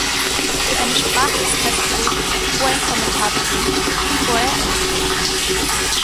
Für eine Sprache ist festgelegt, wo ein Kommentar beginnt und wo er endet.